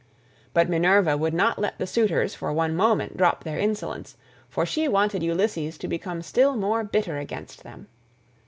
But Minerva would not let the suitors for one moment drop their insolence, for she wanted Ulysses to become still more bitter against them.